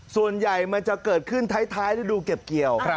ส่วนใหญ่มันจะเกิดขึ้นท้ายฤดูเก็บเกี่ยว